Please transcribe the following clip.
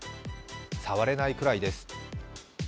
触れないくらいです。